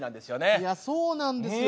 いやそうなんですよ